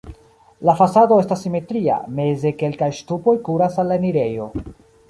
La fasado estas simetria, meze kelkaj ŝtupoj kuras al la enirejo.